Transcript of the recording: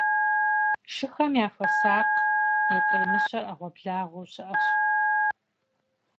- Шыхэм яхуэсакъ, нетӀрей мыщэр Ӏэгъуэблагъэу щыӀэщ.